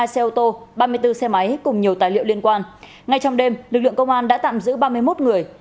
hai xe ô tô ba mươi bốn xe máy cùng nhiều tài liệu liên quan ngay trong đêm lực lượng công an đã tạm giữ ba mươi một người